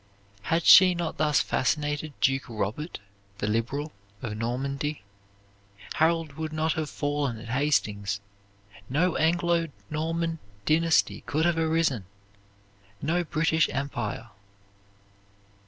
"Had she not thus fascinated Duke Robert the Liberal, of Normandy, Harold would not have fallen at Hastings, no Anglo Norman dynasty could have arisen, no British Empire."